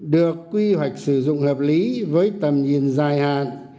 được quy hoạch sử dụng hợp lý với tầm nhìn dài hạn